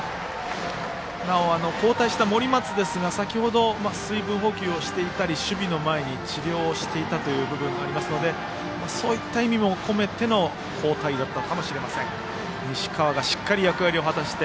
交代した森松ですが先ほど、水分補給をしていたり守備の前に治療をしていたという部分もありますのでそういった意味も込めての交代だったのかもしれません。